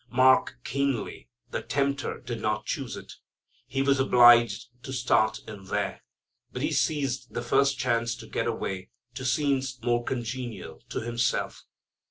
Mark keenly, the tempter did not choose it. He was obliged to start in there, but he seized the first chance to get away to scenes more congenial to himself.